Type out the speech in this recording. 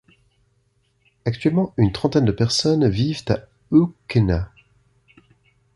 Actuellement une trentaine de personnes vivent à Aukena.